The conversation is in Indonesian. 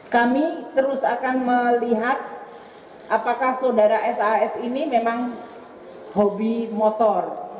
kami terus akan melihat apakah saudara sas ini memang hobi motor